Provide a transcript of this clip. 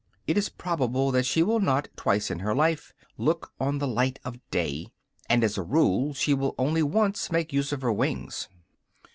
It is probable that she will not, twice in her life, look on the light of day; and as a rule she will only once make use of her wings.